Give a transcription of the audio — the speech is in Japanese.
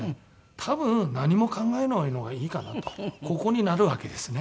多分何も考えないのがいいかなとここになるわけですね。